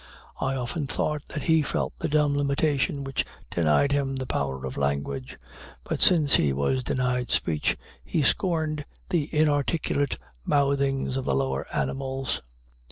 I often thought that he felt the dumb limitation which denied him the power of language. But since he was denied speech, he scorned the inarticulate mouthings of the lower animals.